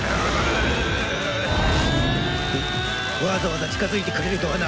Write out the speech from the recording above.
わざわざ近づいてくれるとはな。